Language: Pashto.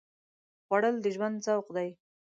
خوړل د ژوند ذوق دی